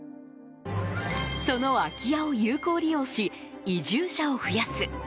その空き家を有効利用し移住者を増やす。